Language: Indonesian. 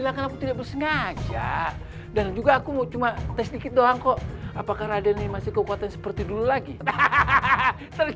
hahaha ternyata raden masih kuat masih hebat